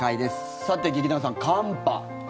さて劇団さん、寒波。